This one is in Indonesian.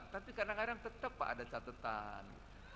tapi kadang kadang tetap pak ada catatan